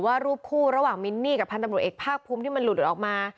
ว่ารูปคู่ระหว่างมินนี่กับพันธ์ตำรวจเอกภาคภูมิที่มันหลุดออกมา